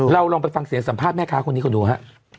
ลองไปฟังเสียงสัมภาษณ์แม่ค้าคนนี้เขาดูฮะ